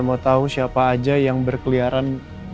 saya mau tau siapa aja yang berkeliaran